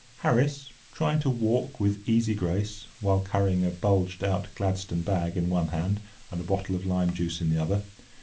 Harris, trying to walk with easy grace, while carrying a bulged out Gladstone bag in one hand and a bottle of lime juice in the other.